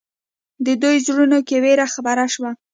د دوی زړونو کې وېره خپره شوه.